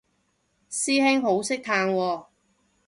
師兄好識嘆喎